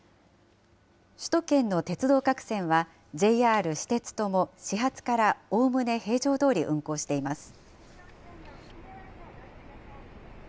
首都圏の鉄道各線は、ＪＲ、私鉄とも始発からおおむね平常どおり運行しています。